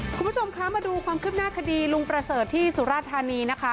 คุณผู้ชมคะมาดูความคืบหน้าคดีลุงประเสริฐที่สุราธานีนะคะ